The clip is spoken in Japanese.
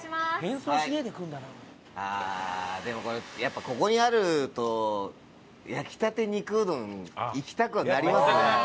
ああでもこれやっぱここにあると焼きたて肉うどんいきたくなりますね。